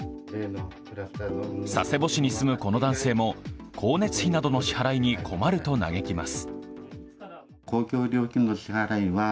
佐世保市に住むこの男性も光熱費などの支払いに困ると嘆きます。